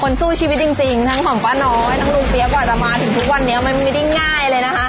สู้ชีวิตจริงทั้งของป้าน้อยทั้งลุงเปี๊ยกกว่าจะมาถึงทุกวันนี้มันไม่ได้ง่ายเลยนะคะ